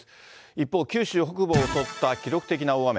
一方、九州北部を襲った記録的な大雨。